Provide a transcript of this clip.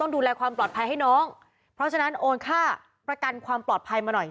ดูแลความปลอดภัยให้น้องเพราะฉะนั้นโอนค่าประกันความปลอดภัยมาหน่อย